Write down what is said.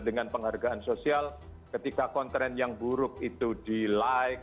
dengan penghargaan sosial ketika konten yang buruk itu di like